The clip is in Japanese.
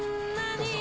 どうぞ。